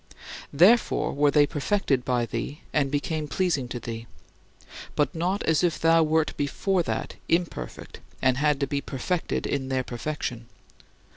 Therefore were they perfected by thee and became pleasing to thee but not as if thou wert before that imperfect and had to be perfected in their perfection.